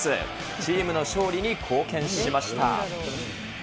チームの勝利に貢献しました。